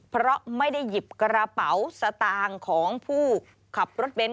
เพราะไม่ได้หยิบกระเป๋าสตางค์ของผู้ขับรถเบนท